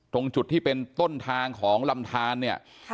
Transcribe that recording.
ตรงจุดที่เป็นต้นทางของลำทานเนี่ย